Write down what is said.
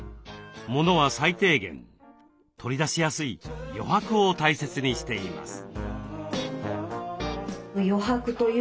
モノは最低限取り出しやすい「余白」を大切にしています。